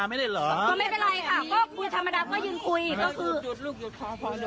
ยุดลูกท้อ